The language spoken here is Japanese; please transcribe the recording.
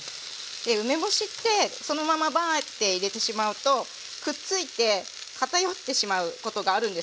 梅干しってそのままバーッて入れてしまうとくっついて片寄ってしまうことがあるんですよ。